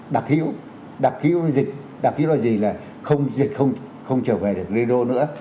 đặc hữu đặc hữu là dịch đặc hữu là gì là không dịch không trở về được lido nữa